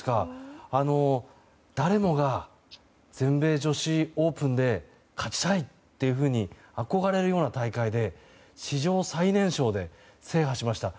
誰もが全米女子オープンで勝ちたいっていうふうに憧れるような大会で史上最年少で制覇しました。